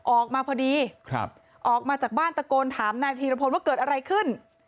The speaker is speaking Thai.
ออกมาพอดีออกมาจากบ้านตะโกนถามนายธีรพลว่าเกิดอะไรขึ้น